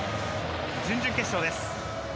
準々決勝です。